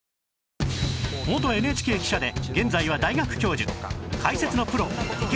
元 ＮＨＫ 記者で現在は大学教授